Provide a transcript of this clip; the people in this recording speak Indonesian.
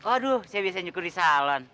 aduh saya biasanya nyukur di salon